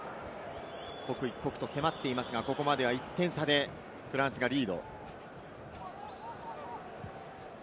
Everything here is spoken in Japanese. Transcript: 刻一刻と迫っていますが、ここまでは１点差でフランスがリード。